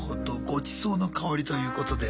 ごちそうの薫りということで。